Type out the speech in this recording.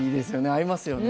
合いますよね。